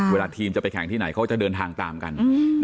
เวลาทีมจะไปแข่งที่ไหนเขาจะเดินทางตามกัน